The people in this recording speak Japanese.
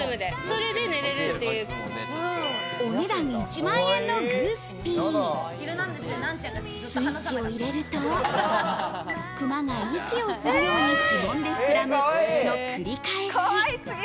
お値段１万円のグースピー、スイッチを入れると、クマが息をするように、しぼんで膨らむの繰り返し。